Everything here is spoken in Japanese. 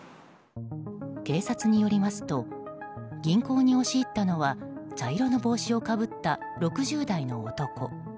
警察によりますと銀行に押し入ったのは茶色の帽子をかぶった６０代の男。